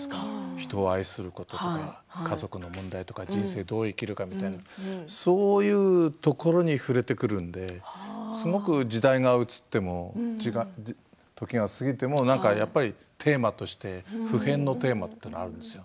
人を愛することとか家族の問題とか人生をどう生きるかそういうところに触れてくるのですごく時代が移っても時が過ぎてもやっぱりテーマとして普遍のテーマというのがあるんですよ。